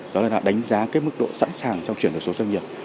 đó là đánh giá mức độ sẵn sàng trong chuyển đổi số doanh nghiệp